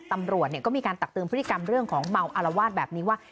ตำรวจก็มีการตักเตือนพฤติกรรมเรื่องของเมาอารวาสแบบนี้ว่า